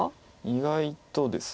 意外とです。